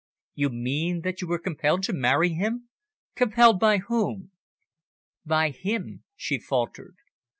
"You mean that you were compelled to marry him? Compelled by whom?" "By him," she faltered.